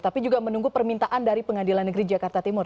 tapi juga menunggu permintaan dari pengadilan negeri jakarta timur